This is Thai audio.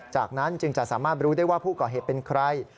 จากนั้นจึงจะสามารถรู้ได้ว่าผู้ก่อเหตุเป็นใคร